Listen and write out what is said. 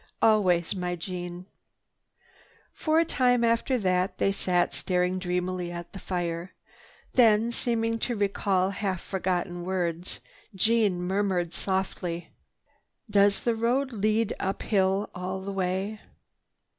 "Always, my Jeanne." For a time after that they sat staring dreamily at the fire. Then, seeming to recall half forgotten words, Jeanne murmured softly, "Does the road lead uphill all the way?"